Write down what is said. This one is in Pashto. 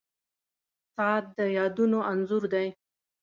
• ساعت د یادونو انځور دی.